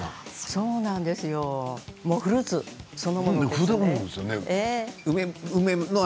そうなんですよ、フルーツそのもの。